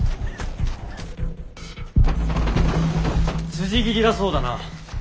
辻斬りだそうだな。